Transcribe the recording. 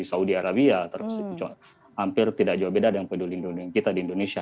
yang dimiliki orang di saudi arabia hampir tidak jauh beda dengan peduli lindungi kita di indonesia